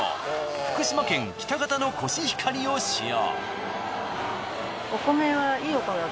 福島県喜多方のコシヒカリを使用。